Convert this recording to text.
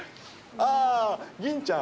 あー、銀ちゃん。